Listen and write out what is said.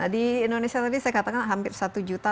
di indonesia tadi saya katakan hampir satu juta